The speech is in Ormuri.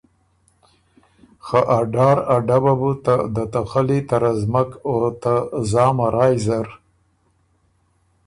خه ا ډار ا ډبه بُو ته دته خلی ته رزمک او ته زامه رایٛ زر